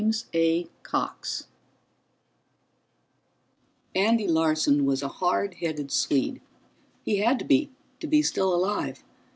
_ Andy Larson was a hard headed Swede. He had to be, to be still alive.